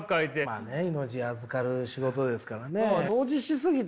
まあね命預かる仕事ですからね。